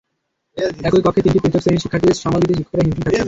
একই কক্ষে তিনটি পৃথক শ্রেণির শিক্ষার্থীদের সামাল দিতে শিক্ষকেরা হিমশিম খাচ্ছেন।